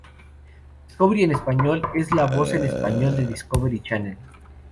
Discovery en Español es la voz en español de Discovery Channel.